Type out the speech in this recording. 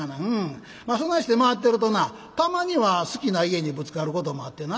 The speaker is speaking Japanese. まあそないして回ってるとなたまには好きな家にぶつかることもあってな